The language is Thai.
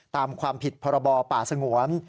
ตามความผิดภปสงวร